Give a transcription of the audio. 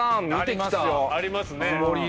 ありますね。